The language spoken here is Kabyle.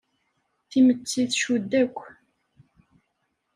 Timetti tcudd akk.